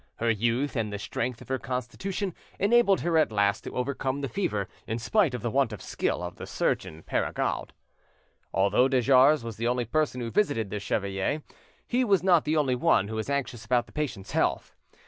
Her youth and the strength of her constitution enabled her at last to overcome the fever, in spite of the want of skill of the surgeon Perregaud. Although de Jars was the only person who visited the chevalier, he was not the only one who was anxious about the patient's health.